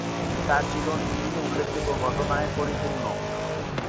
তার জীবন বিভিন্ন উল্লেখযোগ্য ঘটনায় পরিপূর্ণ।